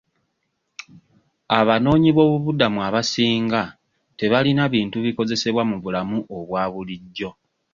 Abanoonyiboobubudamu abasinga tebalina bintu bikozesebwa mu bulamu obwa bulijjo.